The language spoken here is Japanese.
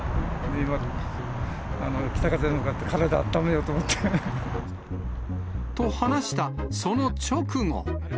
今、北風に向かって体を温めようと思って。と話したその直後。